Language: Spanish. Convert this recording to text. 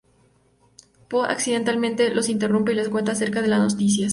Po accidentalmente los interrumpe y les cuenta acerca de las noticias.